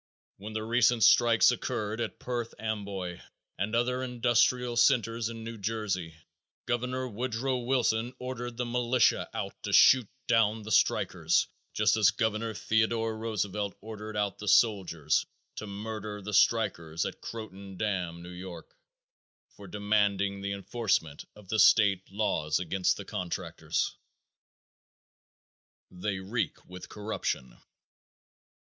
When the recent strikes occurred at Perth Amboy and other industrial centers in New Jersey, Governor Woodrow Wilson ordered the militia out to shoot down the strikers just as Governor Theodore Roosevelt ordered out the soldiers to murder the strikers at Croton Dam, N. Y., for demanding the enforcement of the state laws against the contractors. _They Reek With Corruption.